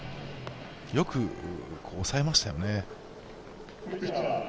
よく抑えましたよね。